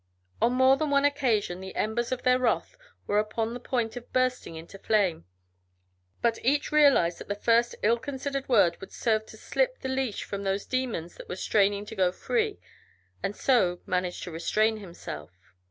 On more than one occasion the embers of their wrath were upon the point of bursting into flame, but each realized that the first ill considered word would serve to slip the leash from those demons that were straining to go free, and so managed to restrain himself.